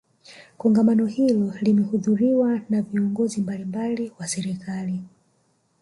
kongamano hilo limehudhuriwa na viongozi mbalimbali wa serikali